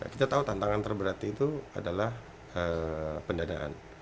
kita tahu tantangan terberat itu adalah pendanaan